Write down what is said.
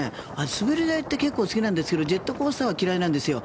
滑り台って結構好きなんですけどジェットコースターは嫌いなんですよ。